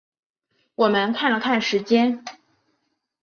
我们看了看时间